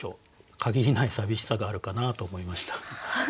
限りない寂しさがあるかなと思いました。